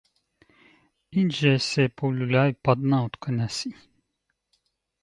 Индже се полюля и падна от коня си.